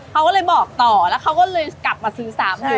เขาก็เลยบอกต่อแล้วเขาก็เลยกลับมาซื้อ๓๐๐๐